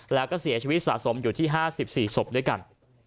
แล้วก็เสียชีวิตสะสมอยู่ที่๕๔ศพด้วยกัน